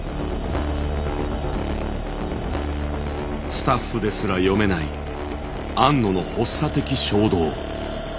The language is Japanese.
スタッフですら読めない庵野の発作的衝動。